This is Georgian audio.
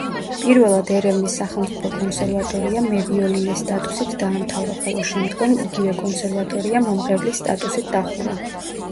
პირველად ერევნის სახელმწიფო კონსერვატორია მევიოლინეს სტატუსით დაამთავრა, ხოლო შემდგომ იგივე კონსერვატორია მომღერლის სტატუსით დახურა.